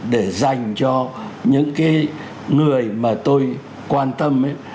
để dành cho những cái người mà tôi quan tâm ấy